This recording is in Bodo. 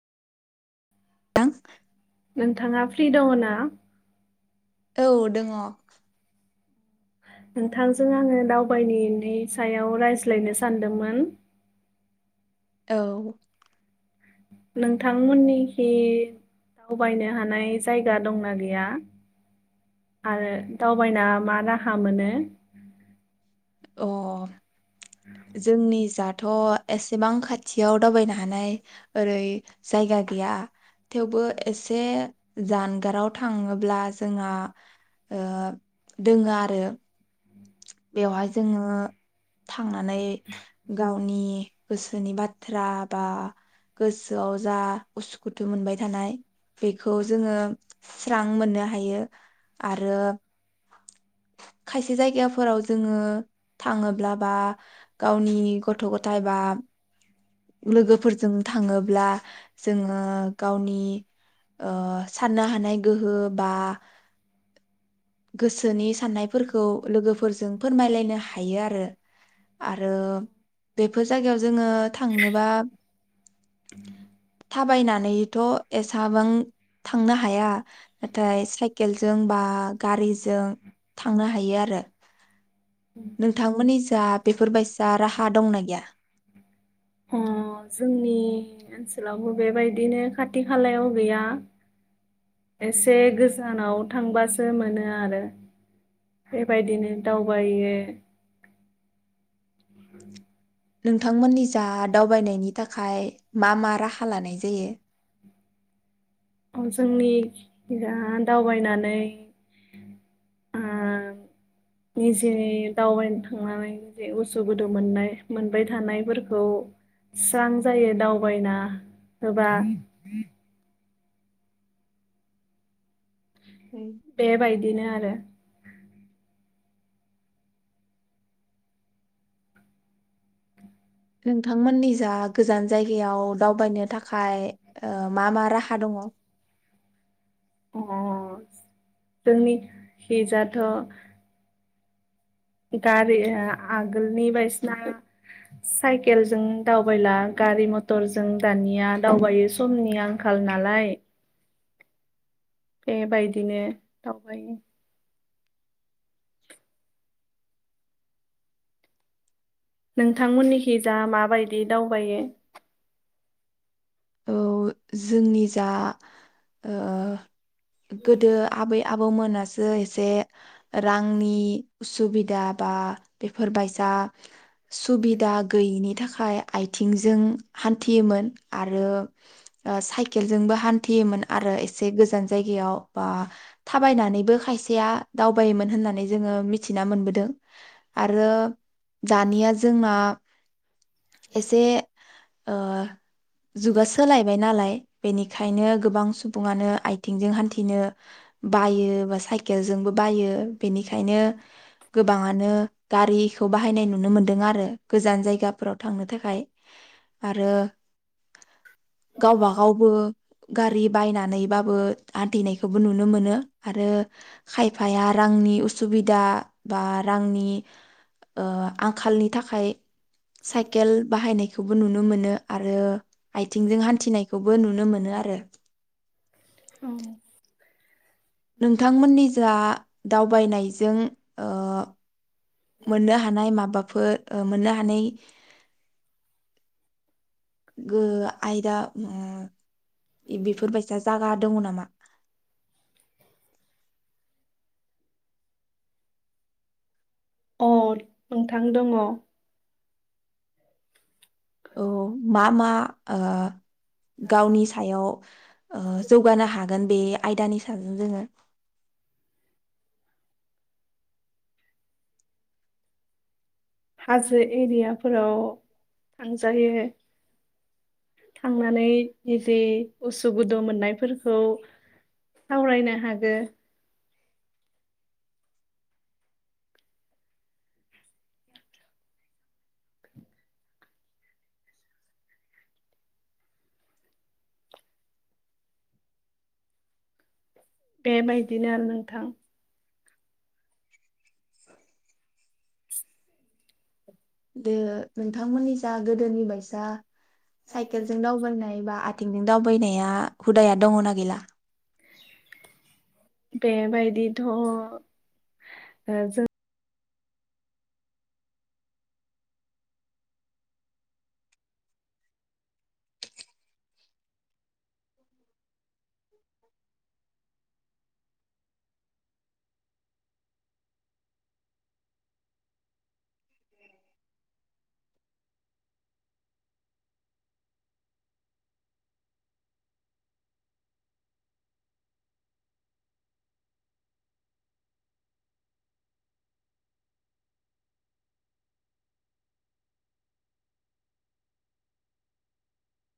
[unintelligible] नोंथाङा फ्रि दङ ना? औ दोङ। नोंथांजों आङो दावबायनिनि सायाव रायज्लायनो सानदोंमोन। औ। नोंथांमोननिखि दावबायनो हानाय जायगा दंना गैया आरो दावबायना मा राहा मोनो? अ जोंनि जात थ एसेबां खाथियाव दावबायनो हानाय ओरै जायगा गैया थेवबो एसे जानगाराव थाङोब्ला जोंहा ओ दोङो आरो बेवहाय जोङो थांनानै गावनि गोसोनि बाथ्रा बा गोसोआव जा उसुखुथु मोनबाय थानाय बेखौ जोङो स्रां मोननो हायो आरो खायसे जायगाफोराव जोङो थाङोब्ला बा गावनि गथ गथाय बा लोगोफोरजों थाङोब्ला जोङो गावनि ओ साननो हानाय गोहो बा गोसोनि साननायफोरखौ लोगोफोरजों फोरमायलायनो हायो आरो आरो बेफोर जायगायाव जोङो थांनोबा थाबायनानैथ एसेबां थांनो हाया नाथाय साइकेलजों बा गारिजों थांनो हायो आरो। नोंथांमोननि जा बेफोर बायसा राहा दंना गैया? अ जोंनि ओनसोलावबो बेबायदिनो खाथि खालायाव गैया एसे गोजानाव थांबासो मोनो आरो बेबायदिनो दावबायो नोंथांमोननि दा दावबायनायनि थाखाय मा मा राहा लानाय जायो? जोंनि दा दावबायनानै ओ निजेनि दावबायनो थांनानै उसु गुदु मोननाय मोनबाय थानायफोरखौ स्रां जायो दावबायना होबा बे बाय बिदिनो आरो। नोंथांमोननि जा गोजान जायगायाव दावबायनो थाखाय ओ मा मा राहा दङ? अ जोंनिखि जाथ गारि आ आगोलनि बायसिना साइकेलजों दावबायला गारि मथरजों दानिया दावबायो समनि आंखाल नालाय। बेबायदिनो दावबायो। नोंथांमोननि खिजा माबायदि बि दावबायो? औ जोंनि जा ओ गोदो आबै आब मोनासो एसे रांनि उसुबिदा बा बेफोर बायसा सुबिदा गैयिनि थाखाय थाखाय आथिंजों हान्थियोमोन आरो आरो साइकेलजोंबो हान्थियोमोन आरो एसे गोजान जायगायाव बा थाबायनानैबो खायसेया दावबायोमोन होननानै जोङो मिथिना मोनबोदों आरो दानिया जोंना एसे ओ जुगा सोलायबाय नालाय बेनिखायनो गोबां सम सुबुङानो आथिंजों हान्थिनो बायो बा साइकेलजोंबो बायो बेनिखायनो गोबाङानो गारिखौ बाहायनाय नुनो मोनदों आरो गोजान जायगाफोराव थांनो थाखाय आरो गावबा गावबो गारि बायनानै बाबो आथिनायखौबो नुनो मोनो आरो खायफाया रांनि उसुबिदा बा रांनि ओ आंखालनि थाखाय साइकेल बाहायनायखौबो नुनो मोनो आरो आथिंजों हान्थिनायखौबो नुनो मोनो आरो औ नोंथांमोननि जा दावबायनायजों ओ मोननो हानाय माबाफोर ओ मोननो हानाय गो आयदा इदिफोर बायसा जागा दङ नामा? औ नोंथां दङ औ मा मा ओ गावनि सायाव ओ जौगानो हागोन बे आयदानि साजों जोङो हाजो एरिया फोराव थांजायो थांनानै निजे उसु गुदु मोननायफोरखौ सावरायनो हागोन। बेबायदिनो आरो नोंथां [inaudible] दो नोंथांमोननि जा गोदोनि बायसा साइकेलजों दावबायनाय एबा आथिंजों दावबायनाया हुदाया दङना गैला? बेबायदिथ' ओ जों